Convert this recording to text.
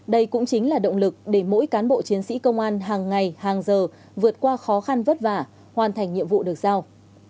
đây cũng chính là động lực để mỗi cán bộ chiến sĩ công an hàng ngày hàng giờ vượt qua khó khăn vất vả hoàn thành nhiệm vụ được giao